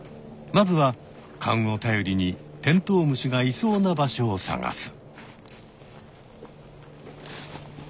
まずはかんをたよりにテントウムシがいそうな場所を探す。